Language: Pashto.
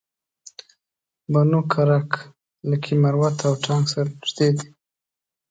بنو کرک لکي مروت او ټانک سره نژدې دي